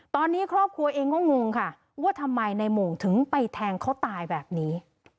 ตอนนี้ครอบครัวเองก็งงค่ะว่าทำไมในหมู่ถึงไปแทงเขาตายแบบนี้